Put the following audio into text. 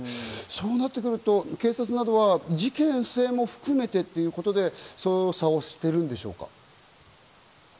そうなってくると警察などは事件性も含めてということで、捜査しているんでしょうか？